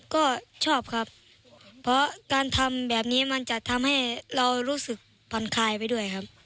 ก็ชอบครับเพราะการทำแบบนี้มันจะทำให้เรารู้สึกผ่อนคลายไปด้วยครับ